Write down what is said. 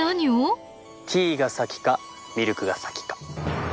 ティーが先かミルクが先か。